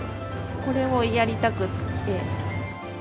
これをやりたくって。